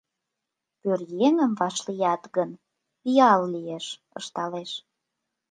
Пӧръеҥым вашлият гын, пиал лиеш, — ышталеш.